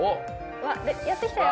うわっやって来たよ！